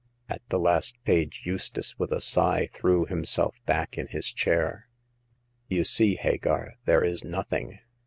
At the last page, Eustace, with a sigh, threw himself back in his chair. " You see, Hagar, there is nothing.